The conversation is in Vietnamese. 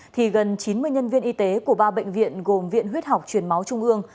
thì gần chín mươi nhân viên y tế của ba bệnh viện gồm viện huyết học truyền máu trung ương